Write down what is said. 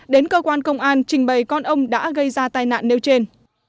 đến cơ quan công an trình bày con ông đã gây ra tai nạn nêu trên